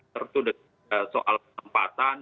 terutama soal penempatan